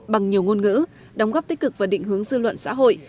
bằng nhiều ngôn ngữ đóng góp tích cực và định hướng dư luận xã hội